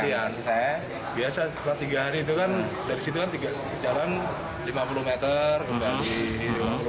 iya saya biasa setelah tiga hari itu kan dari situ kan jalan lima puluh meter kembali